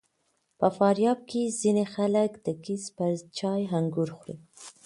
په فاریاب کې ځینې خلک د ګیځ په چای انګور خوري.